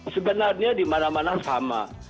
sebenarnya di mana mana sama